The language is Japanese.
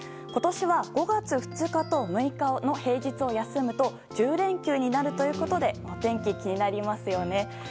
今年は５月２日と６日の平日を休むと１０連休になるということでお天気、気になりますよね。